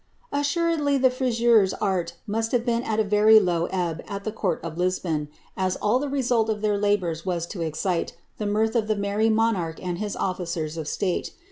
Assuredly the frizeor^ art must have been at a very low ebb at the court of Lisbon, as all the result of their labours was to excite the mirth of the merry monarch tod his ofiiccrs of state.